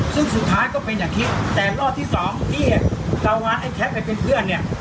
ซึ่งสุดท้ายก็เป็นอย่างที่แต่รอบที่สองที่เราว่าไอ้แคทไปเป็นเพื่อนเนี่ย